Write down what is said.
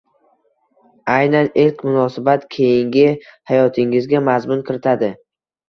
Aynan ilk munosabat keyingi hayotingizga mazmun kiritadi.